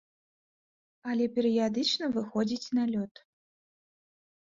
Але перыядычна выходзіць на лёд.